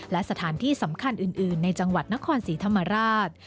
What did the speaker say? และสถานที่สำคัญอื่นในจังหวัดนครศรีธรรมราช